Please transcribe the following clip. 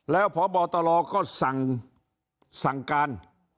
แล้วพบตลก็สั่งการ